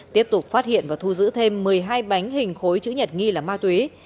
tiếp tục phát hiện và thu giữ thêm một mươi hai bánh hình khối chữ nhật nghi là ma túy